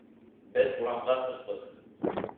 Беҙ урамға сыҡтыҡ.